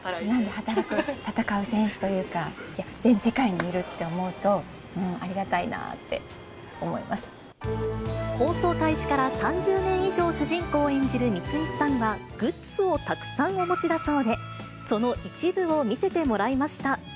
働く戦う戦士というか、全世界にいると思うと、ありがたいなって放送開始から３０年以上主人公を演じる三石さんは、グッズをたくさんお持ちだそうで、その一部を見せてもらいました。